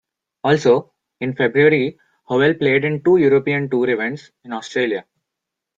Also, in February Howell played in two European Tour events in Australia.